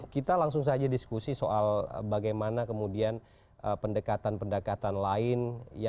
kita langsung saja diskusi soal bagaimana kemudian pendekatan pendekatan lain